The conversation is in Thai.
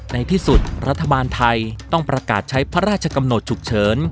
ในที่สุดรัฐบาลไทยต้องประกาศใช้พระราชกำหนดฉุกเฉิน